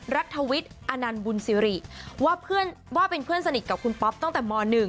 รัฐวิทย์อนันต์บุญสิริว่าเป็นเพื่อนสนิทกับคุณป๊อปตั้งแต่ม๑